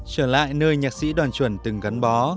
trở lại nơi nhạc sĩ đoàn chuẩn từng gắn bó